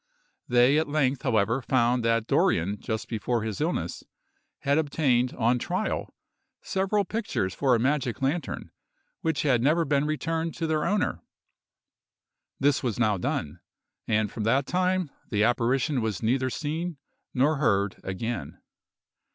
They at length, however, found that Dorrien just before his illness, had obtained, on trial, several pictures for a magic lantern, which had never been returned to their owner. This was now done, and from that time the apparition was neither seen nor heard again.